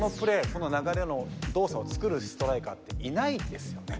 この流れの動作を作るストライカーっていないですよね。